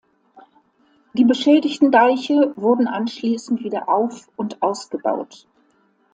Die beschädigten Deiche wurden anschließend wieder auf- und ausgebaut.